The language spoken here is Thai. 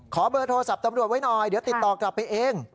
ขอเบอร์โทรศัพท์ตำรวจไว้หน่อยเดี๋ยวติดต่อกลับไปเอง